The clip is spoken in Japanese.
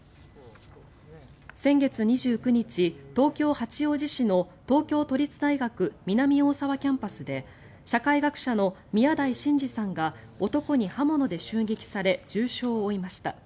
先月２９日、東京・八王子市の東京都立大学南大沢キャンパスで社会学者の宮台真司さんが男に刃物で襲撃され重傷を負いました。